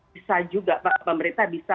bisa juga pemerintah bisa